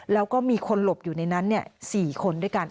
แล้วก็มีคนหลบอยู่ในนั้น๔คนด้วยกัน